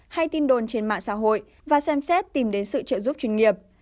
hay tin đồn trên mạng xã hội và xem xét tìm đến sự trợ giúp chuyên nghiệp